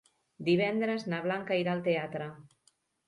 Divendres na Blanca irà al teatre.